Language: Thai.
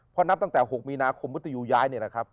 พอนับตั้งแต่๖มีนาคมมุทยูย้ายเนี่ยนะครับ